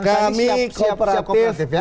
kami siap siap kooperatif ya